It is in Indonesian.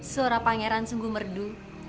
suara pangeran sungguh merdu